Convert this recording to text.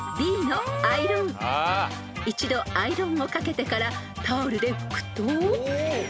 ［一度アイロンをかけてからタオルで拭くと］